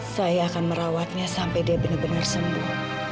saya akan merawatnya sampai dia benar benar sembuh